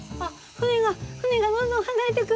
船が船がどんどん離れてく。